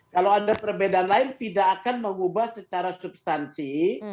kalau ada perbedaan lain tidak akan mengubah secara substansi